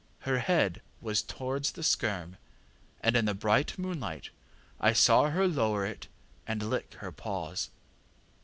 Her head was towards the skerm, and in the bright moonlight I saw her lower it and lick her paws.